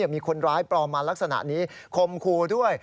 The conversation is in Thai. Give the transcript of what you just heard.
มีคนร้ายปลอมมาลักษณะนี้คมครูด้วย